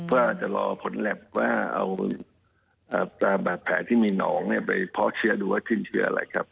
เพื่อหล่อผลแหลงกินว่าแผลที่มีหนองเปราะเชื้อดูว่าถึงเชื้ออะไรครับ